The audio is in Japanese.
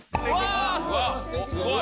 すごい。